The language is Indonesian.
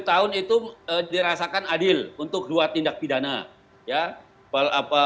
tujuh tahun itu dirasakan adil untuk dua tindak pidana